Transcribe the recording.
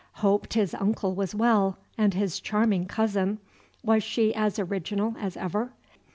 Hoped his uncle was well, and his charming cousin, was she as original as ever?